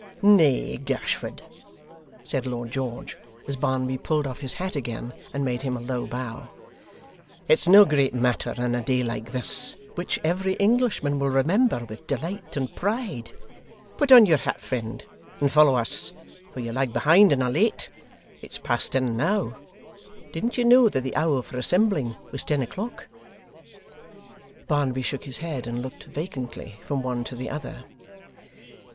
'Nay, Gashford,' said Lord George, as Barnaby pulled off his hat again and made him a low bow, 'it's no great matter on a day like this, which every Englishman will remember with delight and pride. Put on your hat, friend, and follow us, for you lag behind and are late. It's past ten now. Didn't you know that the hour for assembling was ten o'clock?' Barnaby shook his head and looked vacantly from one to the other.